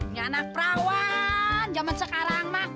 ini anak perawan zaman sekarang